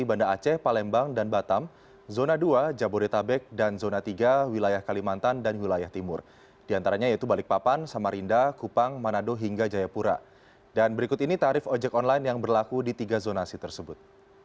berikutnya tarif baru ojek online yang berlaku di tiga zonasi tersebut